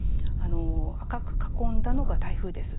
赤く囲んだのが台風です。